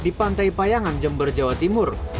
di pantai payangan jember jawa timur